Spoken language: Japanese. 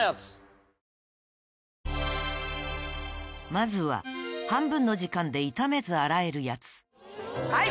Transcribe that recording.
まずは半分の時間で傷めず洗えるヤツはい！